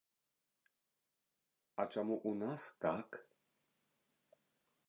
А чаму ў нас так?